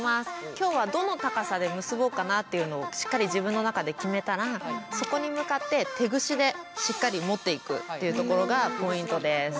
今日はどの高さで結ぼうかなっていうのをしっかり自分の中で決めたらそこに向かって手ぐしでしっかり持っていくっていうところがポイントです。